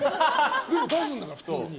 でも出すんだから、普通に。